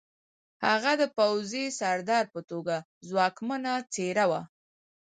هغه د پوځي سردار په توګه ځواکمنه څېره وه